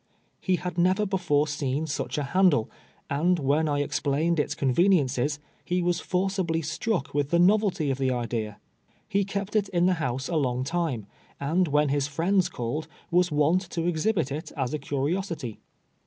lie had never before seen such a handle, and when I explained its conveni ences, he was forcibly struck with the novelty of the idea. lie kept it in the house a long time, and when his fiiends called, was wont to exhibit it as a curiosity.